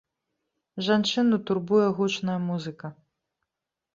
Жанчыну турбуе гучная музыка.